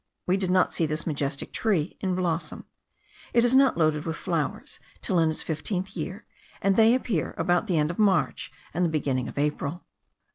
We did not see this majestic tree in blossom: it is not loaded with flowers* till in its fifteenth year, and they appear about the end of March and the beginning of April.